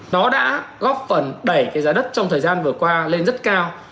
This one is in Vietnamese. nó đã góp phần đẩy cái giá đất trong thời gian vừa qua lên rất cao